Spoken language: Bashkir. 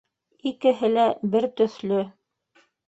Икеһе лә бер төҫлө.